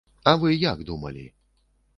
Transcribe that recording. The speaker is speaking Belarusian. А вы як думалі?